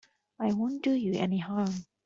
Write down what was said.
It won't do you any harm.